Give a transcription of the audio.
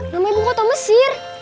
nama ibu kota mesir